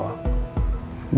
kenapa tidak bu nawang